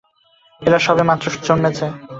এরা সবে মাত্র জন্মেছে।